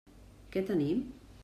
Què tenim?